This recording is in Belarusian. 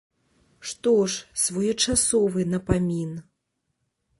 Што ж, своечасовы напамін.